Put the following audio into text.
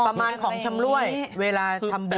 ประมาณของชำรวยเวลาทำเดิน